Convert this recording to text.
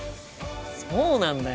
そうなんだよ。